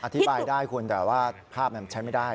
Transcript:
อธิบายได้คุณแต่ว่าภาพมันใช้ไม่ได้